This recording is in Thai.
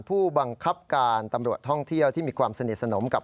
ผู้บังคับการตำรวจท่องเที่ยวที่มีความสนิทสนมกับ